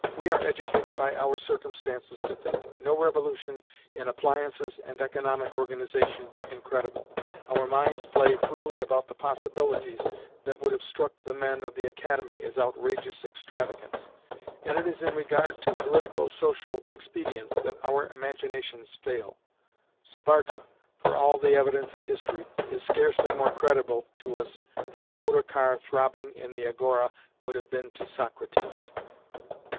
We are educated by our circumstances to think no revolution in appliances and economic organisation incredible, our minds play freely about possibilities that would have struck the men of the Academy as outrageous extravagance, and it is in regard to politico social expedients that our imaginations fail. Sparta, for all the evidence of history, is scarcely more credible to us than a motor car throbbing in the agora would have been to Socrates.